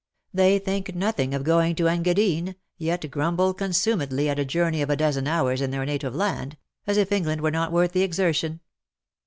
They think nothing of going to the Engadine, yet grumble consumedly at a journey of a dozen hours in their native land — as if England were not worth the exertion."'